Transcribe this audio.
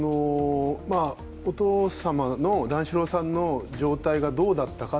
お父様の段四郎さんの状態がどうなのか